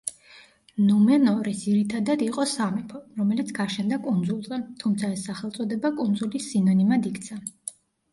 ნუმენორი ძირითადად იყო სამეფო, რომელიც გაშენდა კუნძულზე, თუმცა ეს სახელწოდება კუნძულის სინონიმად იქცა.